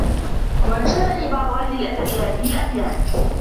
وَأَنْشَدَنِي بَعْضُ أَهْلِ الْأَدَبِ هَذِهِ الْأَبْيَاتِ